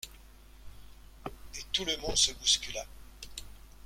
Et tout le monde se bouscula.